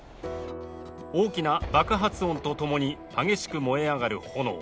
大きな爆発音とともに激しく燃え上がる炎。